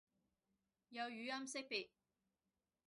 有語音識別